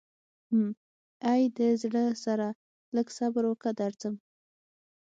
حم ای د زړه سره لږ صبر وکه درځم.